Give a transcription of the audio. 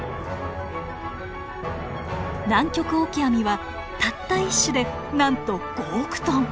ナンキョクオキアミはたった一種でなんと５億トン。